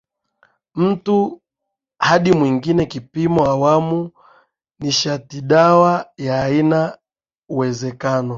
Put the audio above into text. mtu hadi mwingine Kipimo awamu nishatidawa ya ainaUwezekano